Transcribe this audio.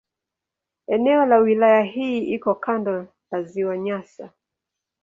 Eneo la wilaya hii liko kando la Ziwa Nyasa.